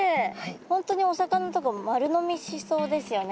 本当にお魚とか丸飲みしそうですよね